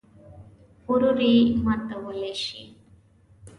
غرور یې ماتولی شي.